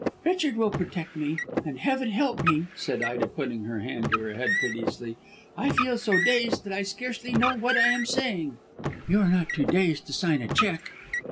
"Richard will protect me. And, heaven help me!" said Ida, putting her hand to her head piteously. "I feel so dazed that I scarcely know what I am saying." "You are not too dazed to sign a cheque."